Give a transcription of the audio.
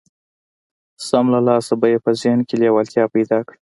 سم له لاسه به يې په ذهن کې لېوالتيا پيدا کړم.